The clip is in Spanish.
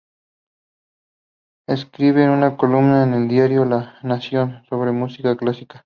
Escribe una columna en el diario La Nación, sobre música clásica.